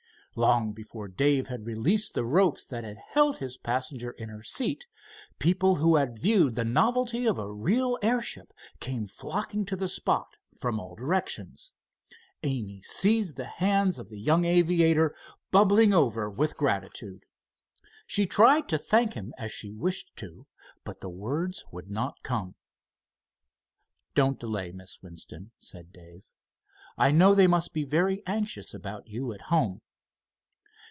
Long before Dave had released the ropes that had held his passenger in her seat, people who had viewed the novelty of a real airship came flocking to the spot from all directions. Amy seized the hands of the young aviator, bubbling over with gratitude. She tried to thank him as she wished to, but the words would not come. "Don't delay, Miss Winston," said Dave. "I know they must be very anxious about you at home."